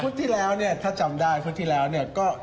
พูดที่เร้าเนี่ยถ้าจำได้พูดที่เราก็